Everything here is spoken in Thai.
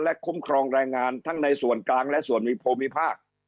และคุ้มครองแรงงานทั้งในส่วนกลางและส่วนมีภูมิภาค